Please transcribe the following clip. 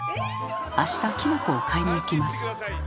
明日きのこを買いに行きます。